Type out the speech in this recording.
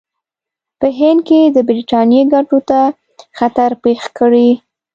په هند کې د برټانیې ګټو ته خطر پېښ کړي.